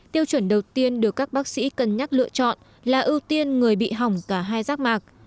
tiêu chuẩn đầu tiên được các bác sĩ cân nhắc lựa chọn là ưu tiên người bị hỏng cả hai giác mạc